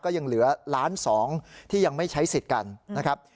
ยังเหลือล้านสองที่ยังไม่ใช้สิทธิ์กันนะครับ